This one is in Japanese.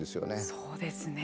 そうですね。